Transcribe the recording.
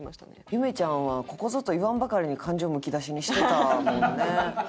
夢ちゃんはここぞと言わんばかりに感情むき出しにしてたもんね。